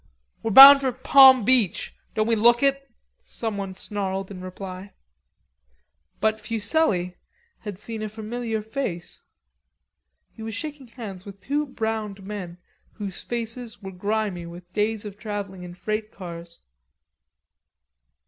"We're bound for Palm Beach. Don't we look it?" someone snarled in reply. But Fuselli had seen a familiar face. He was shaking hands with two browned men whose faces were grimy with days of travelling in freight cars.